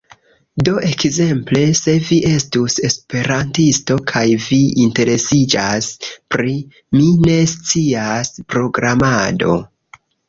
Do ekzemple, se vi estus esperantisto kaj vi interesiĝas pri, mi ne scias, programado